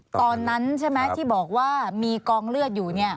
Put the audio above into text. ตอนนั้นใช่ไหมที่บอกว่ามีกองเลือดอยู่